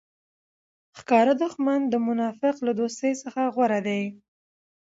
ښکاره دوښمن د منافق له دوستۍ څخه غوره دئ!